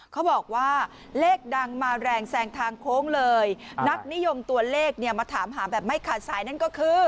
เขาบอกว่าเลขดังมาแรงแซงทางโค้งเลยนักนิยมตัวเลขเนี่ยมาถามหาแบบไม่ขาดสายนั่นก็คือ